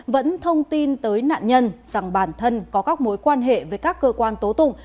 vẫn thông tin tới nạn nhân rằng bản thân có các mối quan hệ với các cơ quan tố tụng